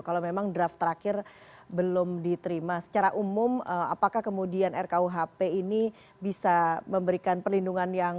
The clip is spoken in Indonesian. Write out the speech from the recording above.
kalau memang draft terakhir belum diterima secara umum apakah kemudian rkuhp ini bisa memberikan perlindungan yang